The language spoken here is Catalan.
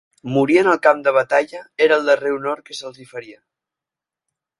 Morir en el camp de batalla era el darrer honor que se'ls hi feria.